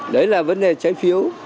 đấy là vấn đề trái phiếu